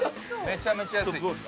めちゃめちゃ安い。